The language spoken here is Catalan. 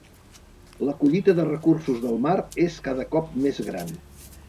La collita de recursos del mar és cada cop més gran.